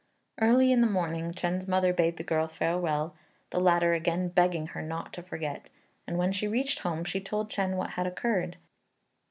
Early in the morning Chên's mother bade the girl farewell, the latter again begging her not to forget; and when she reached home she told Chên what had occurred.